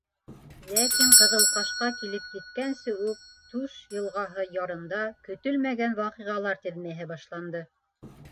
Ләкин Ҡыҙылҡашҡа килеп еткәнсе үк, Туш йылғаһы ярында, көтөлмәгән ваҡиғалар теҙмәһе башланды.